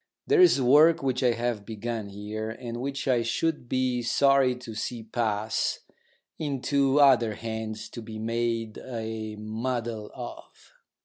There is work which I have begun here, and which I should be sorry to see pass into other hands to be made a muddle of.